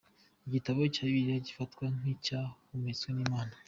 Igitabo cya Bibiliya gifatwa nkicyahumetswe n’Imana.